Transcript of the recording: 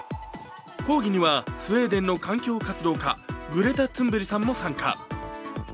抗議にはスウェーデンの環境活動家、グレタ・トゥンベリさんも参加。